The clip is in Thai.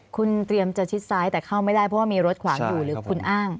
คุณเตรียมจะชิดซ้ายแต่เข้าไม่ได้เพราะว่ามีรถขวางอยู่หรือคุณอ้าง